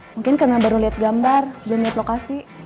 mungkin karena baru lihat gambar belum lihat lokasi